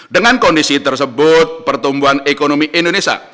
dengan kondisi tersebut pertumbuhan ekonomi indonesia